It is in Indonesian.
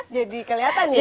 jadi kelihatan ya